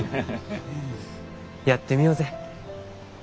やってみようぜ。